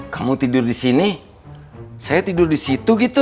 kamu tidur di sini saya tidur di situ gitu